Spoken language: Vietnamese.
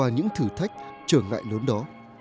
những thử thách trở ngại lớn đó